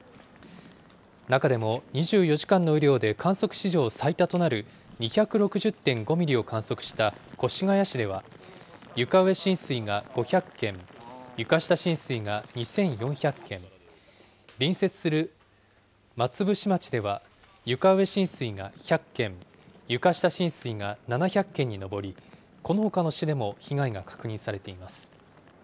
中でも２４時間の雨量で観測史上最多となる２６０．５ミリを観測した越谷市では、床上浸水が５００件、床下浸水が２４００件、隣接する松伏町では、床上浸水が１００件、床下浸水が７００件にのぼり、このほかの市でも被害が確認されています。